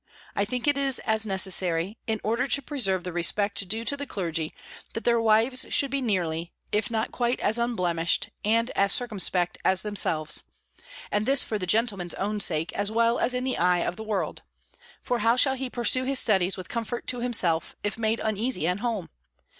I think it is as necessary, in order to preserve the respect due to the clergy, that their wives should be nearly, if not quite as unblemished, and as circumspect, as themselves; and this for the gentleman's own sake, as well as in the eye of the world: for how shall he pursue his studies with comfort to himself, if made uneasy at home!